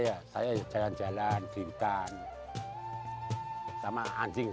inilah sahabat ram afsari untuk memanfaaturkan harga institusi planescar ini